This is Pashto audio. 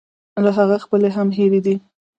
له هغه خپلې هم هېرې دي.